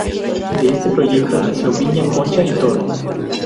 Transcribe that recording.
De este proyecto nació Viña Concha y Toro.